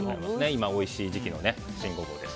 今おいしい時期の新ゴボウです。